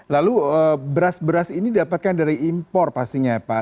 lalu beras beras ini dapatkan dari impor pastinya pak